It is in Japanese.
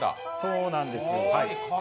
そうなんですよ。